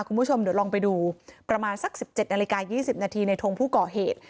คุณผู้ชมเดี๋ยวลองไปดูประมาณสัก๑๗นาฬิกา๒๐นาทีในทงผู้ก่อเหตุ